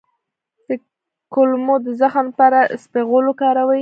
د کولمو د زخم لپاره اسپغول وکاروئ